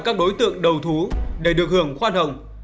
các đối tượng đầu thú để được hưởng khoan hồng